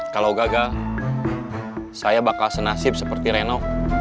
kalau gagal saya bakal senasib seperti reno